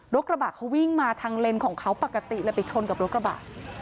กระบะเขาวิ่งมาทางเลนของเขาปกติเลยไปชนกับรถกระบะ